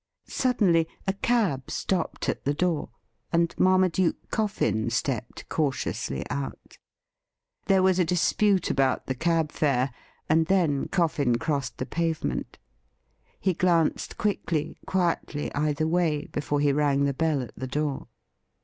Suddenly a cab stopped at the door, and Marmaduke Coffin stepped cautiously out. There was a dispute about the cab fare, and then Coffin crossed the pavement. He glanced quickly, quietly, either way before he rang the bell at the door.